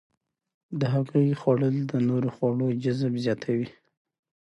د هګۍ خوړل د نورو خوړو جذب زیاتوي.